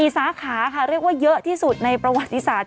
สาขาค่ะเรียกว่าเยอะที่สุดในประวัติศาสต